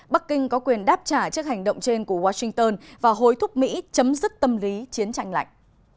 bắc kinh có quyền đáp trả trước hành động trên của washington và hối thúc mỹ chấm dứt tâm lý chiến tranh lạnh